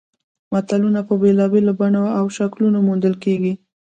متلونه په بېلابېلو بڼو او شکلونو موندل کیږي